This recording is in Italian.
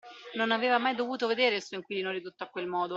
Non aveva mai dovuto vedere il suo inquilino ridotto a quel modo